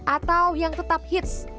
atau yang tetap hits